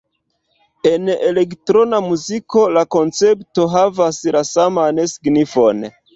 En elektrona muziko la koncepto havas la saman signifon.